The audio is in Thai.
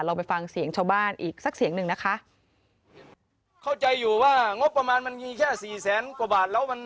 เราไปฟังเสียงชาวบ้านอีกสักเสียงหนึ่งนะคะ